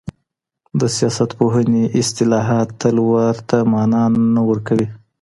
د سياست پوهني اصطلاحات تل ورته مانا نه ورکوي.